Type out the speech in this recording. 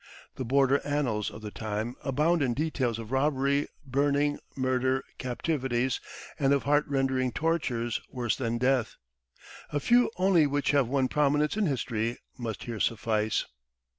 The border annals of the time abound in details of robbery, burning, murder, captivities, and of heart rending tortures worse than death. A few only which have won prominence in history must here suffice.